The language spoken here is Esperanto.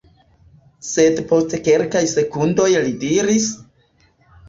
Sed post kelkaj sekundoj li diris: